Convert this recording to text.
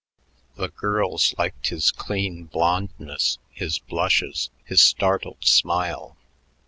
The girls liked his clean blondness, his blushes, his startled smile.